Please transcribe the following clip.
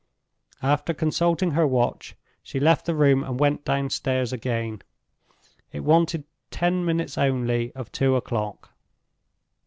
After consulting her watch, she left the room and went downstairs again. It wanted ten minutes only of two o'clock.